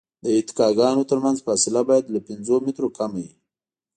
د اتکاګانو ترمنځ فاصله باید له پنځو مترو کمه وي